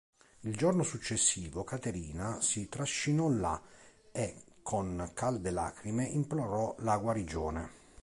Il giorno successivo Caterina si trascinò là e con calde lacrime implorò la guarigione.